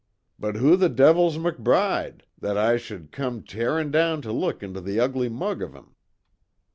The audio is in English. But who the divil's McBride that Oi shud come tearin' down to look into the ugly mug av um?"